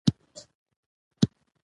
پهلوي د شاهي پلویانو سمبول پاتې شوی.